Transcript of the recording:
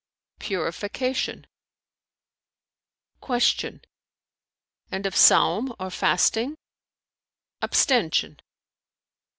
"Purification." Q "And of Saum or fasting?" "Abstention."